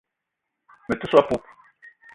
Me te so a poup.